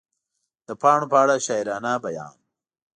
د پاڼو په اړه شاعرانه بیان